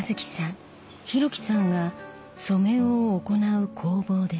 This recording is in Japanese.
広樹さんが染めを行う工房です。